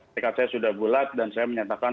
tekad saya sudah bulat dan saya menyatakan